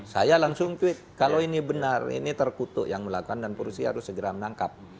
saya langsung tweet kalau ini benar ini terkutuk yang melakukan dan polisi harus segera menangkap